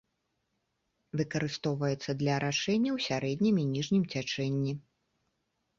Выкарыстоўваецца для арашэння ў сярэднім і ніжнім цячэнні.